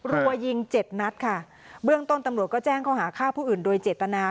รัวยิงเจ็ดนัดค่ะเบื้องต้นตำรวจก็แจ้งเขาหาฆ่าผู้อื่นโดยเจตนา